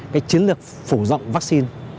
cái chiến lược phủ rộng vaccine